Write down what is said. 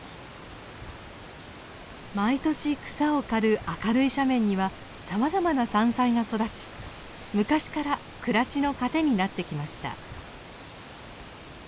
毎年草を刈る明るい斜面にはさまざまな山菜が育ち昔から暮らしの糧になってきました。